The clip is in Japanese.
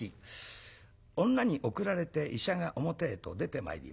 女に送られて医者が表へと出てまいります。